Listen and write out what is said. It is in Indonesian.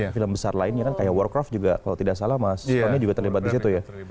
film besar lainnya kan kayak workraft juga kalau tidak salah mas rony juga terlibat di situ ya